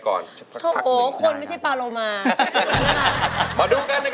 คิดว่าไม่ใช้